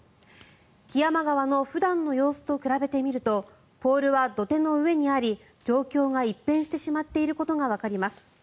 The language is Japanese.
木山川の普段の様子と比べてみるとポールは土手の上にあり状況が一変してしまっていることがわかりました。